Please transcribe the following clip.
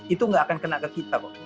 itu gak akan kena ke kita kok